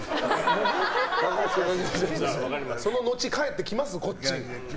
そののち帰ってきますこっちに。